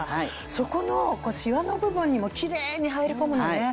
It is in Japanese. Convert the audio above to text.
そこのシワの部分にもキレイに入り込むのね。